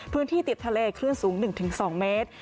พื้นที่ติดทะเลคลื่นสูงหนึ่งถึงสองเมตร